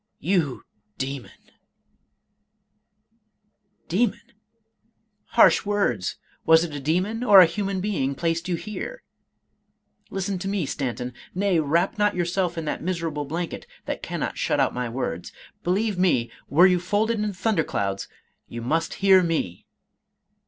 —You, demon !"" Demon ! Harsh words! — ^Was it a demon or a human being placed you here? — Listen to me, Stanton; nay, wrap not yourself in that miserable blanket, — ^that cannot shut out my words. Believe me, were you folded in thunder clouds, you must hear me!